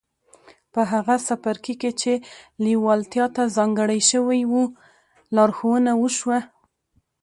په هغه څپرکي کې چې لېوالتیا ته ځانګړی شوی و لارښوونه وشوه.